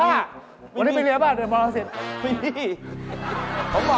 วันนี้ไปเรียบบ้านเดี๋ยวมองเสร็จ